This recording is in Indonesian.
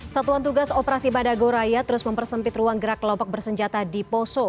satuan tugas operasi badagoraya terus mempersempit ruang gerak kelompok bersenjata di poso